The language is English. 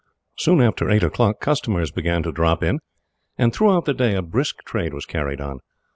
Soon after eight o'clock customers began to drop in, and throughout the day a brisk trade was carried on.